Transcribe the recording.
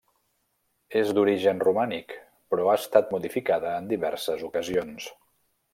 És d'origen romànic però ha estat modificada en diverses ocasions.